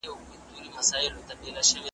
د هغه له ملاتړ څخه لاس اخلم .